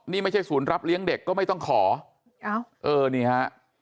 นี่ไม่ใช่ศูนย์รับเลี้ยงเด็กก็ไม่ต้องขอเออนี่ฮะ